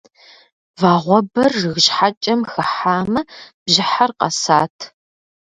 Вагъуэбэр жыг щхьэкӀэм хыхьамэ бжьыхьэр къэсат.